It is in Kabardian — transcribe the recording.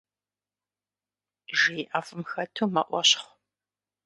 Жей ӏэфӏым хэту мэӏуэщхъу.